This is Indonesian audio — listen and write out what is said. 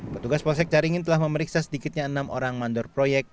petugas polsek caringin telah memeriksa sedikitnya enam orang mandor proyek